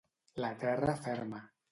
La terra ferma.